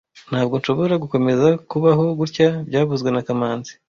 Ntabwo nshobora gukomeza kubaho gutya byavuzwe na kamanzi